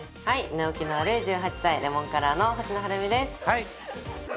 寝起きの悪い１８歳レモンカラーの星野晴海です